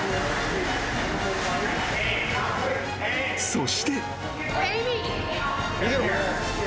［そして］